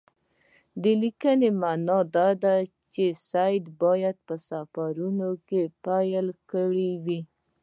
د لیک معنی دا ده چې سید باید په سفرونو پیل کړی وي.